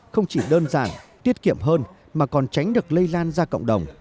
không chỉ đơn giản tiết kiệm hơn mà còn tránh được lây lan ra cộng đồng